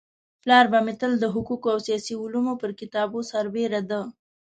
پلار به مي تل د حقوقو او سياسي علومو پر كتابو سربيره د